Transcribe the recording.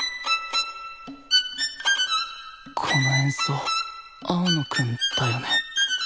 この演奏青野くんだよね？